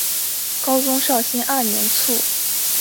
高宗绍兴二年卒。